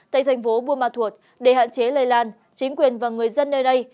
tại thành phố buôn ma thuột để hạn chế lây lan chính quyền và người dân nơi đây